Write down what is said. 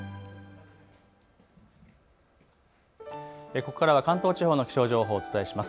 ここからは関東地方の気象情報をお伝えします。